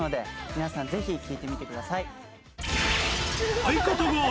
皆さんぜひ聴いてみてください。